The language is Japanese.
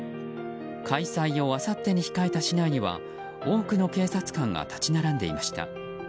開催をあさってに控えた市内には多くの警察官が立ち並んでいました。